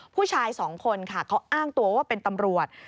ผู้ชายสองคนค่ะเขาอ้างตัวว่าเป็นตำรวจ